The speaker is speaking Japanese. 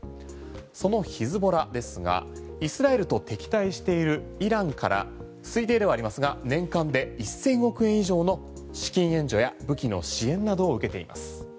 そのヒズボラですがイスラエルと敵対しているイランから、推定ではありますが年間で１０００億円以上の資金援助や武器の支援などを受けています。